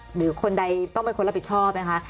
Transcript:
หรือคนใดต้องเป็นคนรับผิดชอบนะคะ